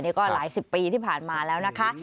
นี่ก็หลายสิบปีที่ผ่านมาแล้วนะคะ